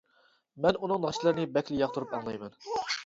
مەن ئۇنىڭ ناخشىلىرىنى بەكلا ياقتۇرۇپ ئاڭلايمەن.